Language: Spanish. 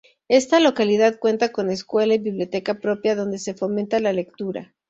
Esta localidad cuenta con escuela y biblioteca propia, donde se fomenta la lectura.